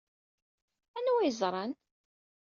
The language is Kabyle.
Anwa ay ẓran?